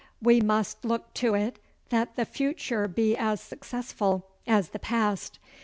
We must look to it that the future be as successful as the past.